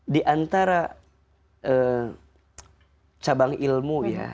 di antara cabang ilmu ya